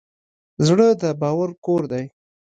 زړه د باور کور دی.